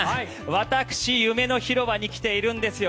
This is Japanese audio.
私、夢の広場に来ているんですよ。